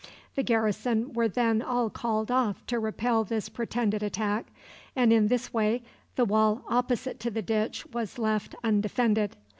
The garrison were then all called off to repel this pretended attack, and in this way the wall opposite to the ditch was left undefended.